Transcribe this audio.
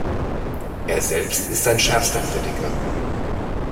Er selbst ist sein schärfster Kritiker.